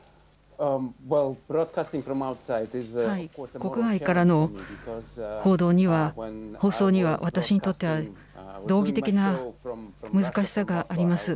国外からの報道には、放送には、私にとっては道義的な難しさがあります。